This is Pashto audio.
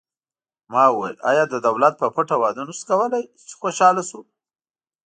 ما وویل: آیا د دولت په پټه واده نه شو کولای، چې خوشحاله شو؟